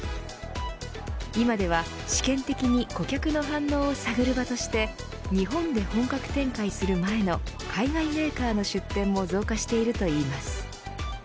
今では、試験的に顧客の反応を探る場として日本で本格展開する前の海外メーカーの出展も増加しているといいます。